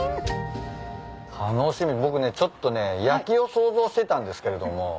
僕ねちょっとね焼きを想像してたんですけれども。